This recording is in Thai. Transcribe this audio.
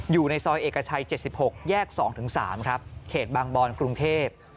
อยู่ในซอยเอกชัย๗๖แยก๒๓ครับเขตบางบอนกรุงเทพ